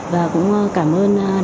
và cũng cảm ơn đảng và nhân viên